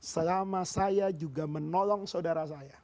selama saya juga menolong saudara saya